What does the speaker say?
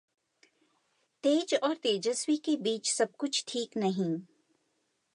तेज और तेजस्वी के बीच सबकुछ ठीक नहीं